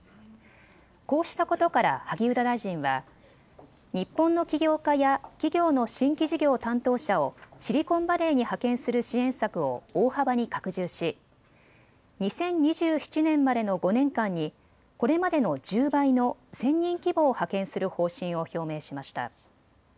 こうしたことから萩生田大臣は日本の起業家や企業の新規事業担当者をシリコンバレーに派遣する支援策を大幅に拡充し２０２７年までの５年間にこれまでの１０倍の１０００人規模を派遣する方針を表明しました。